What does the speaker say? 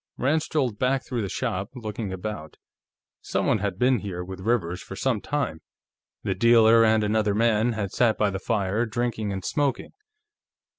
Rand strolled back through the shop, looking about. Someone had been here with Rivers for some time; the dealer and another man had sat by the fire, drinking and smoking.